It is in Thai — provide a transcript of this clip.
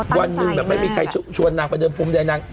เขาตามใจได้แบบไม่มีใครชวนนางไปเดินภูมิคุณแหย่นาง